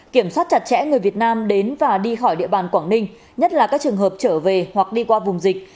kiểm soát chặt chẽ người việt nam đến và đi khỏi địa bàn quảng ninh nhất là các trường hợp trở về hoặc đi qua vùng dịch